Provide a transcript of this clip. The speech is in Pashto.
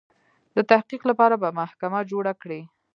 د تحقیق لپاره به محکمه جوړه کړي.